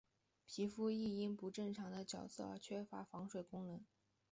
皮肤亦因不正常的角质而缺乏防水功能。